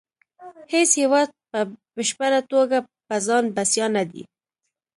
هیڅ هیواد په بشپړه توګه په ځان بسیا نه دی